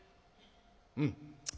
「うん。